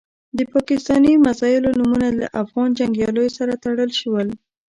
د پاکستاني میزایلو نومونه له افغان جنګیالیو سره تړل شول.